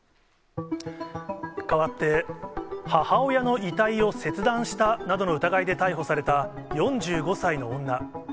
かわって、母親の遺体を切断したなどの疑いで逮捕された４５歳の女。